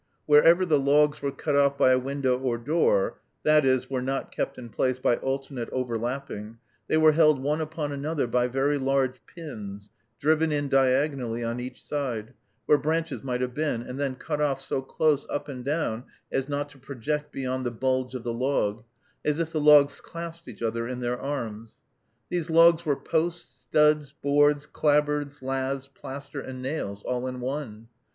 Wherever the logs were cut off by a window or door, that is, were not kept in place by alternate overlapping, they were held one upon another by very large pins, driven in diagonally on each side, where branches might have been, and then cut off so close up and down as not to project beyond the bulge of the log, as if the logs clasped each other in their arms. These logs were posts, studs, boards, clapboards, laths, plaster, and nails, all in one.